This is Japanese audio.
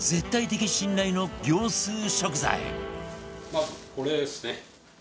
まずこれですね。